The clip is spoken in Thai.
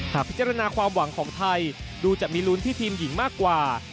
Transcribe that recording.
พิจารณาความหวังของไทยดูจะมีลุ้นที่ทีมหญิงมากกว่า